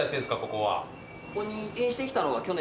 ここは。